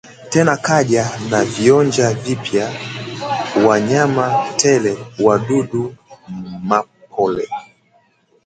tena kaja na vioja vipya wanyama tele wadudu mapolo